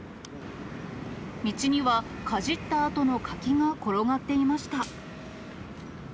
道にはかじったあとの柿が転がっていました。